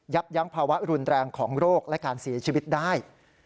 ยั้งภาวะรุนแรงของโรคและการเสียชีวิตได้